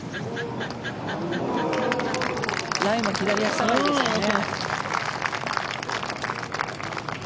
ライも左足下がりでしたね。